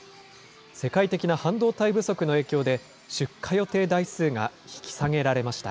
世界的な半導体不足の影響で、出荷予定台数が引き下げられました。